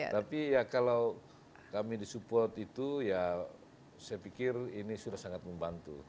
tapi ya kalau kami disupport itu ya saya pikir ini sudah sangat membantu